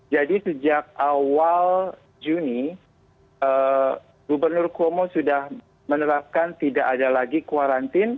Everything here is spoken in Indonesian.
jadi sejak awal juni gubernur cuomo sudah menerapkan tidak ada lagi kuarantin